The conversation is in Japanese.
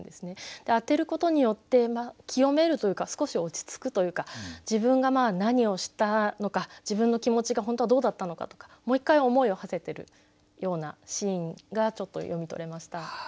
当てることによって清めるというか少し落ち着くというか自分が何をしたのか自分の気持ちが本当はどうだったのかとかもう一回思いをはせてるようなシーンがちょっと読み取れました。